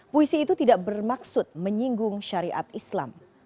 puisi itu tidak bermaksud menyinggung syariat islam